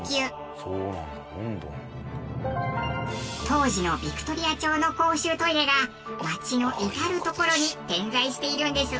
当時のビクトリア朝の公衆トイレが街の至る所に点在しているんです。